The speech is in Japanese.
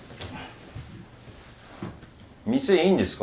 店いいんですか？